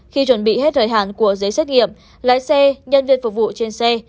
khi chuẩn bị hết thời hạn của giấy xét nghiệm lái xe nhân viên phục vụ trên xe